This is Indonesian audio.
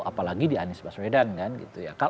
apalagi di anies baswedan kan gitu ya